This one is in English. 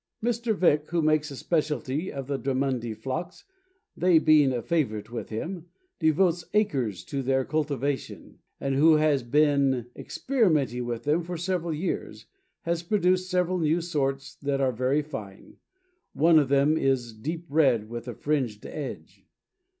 Mr. Vick, who makes a specialty of the Drummondii Phlox, they being a favorite with him, devotes acres to their cultivation, and who has been experimenting with them for several years, has produced several new sorts that are very fine; one of them is deep red with a fringed edge.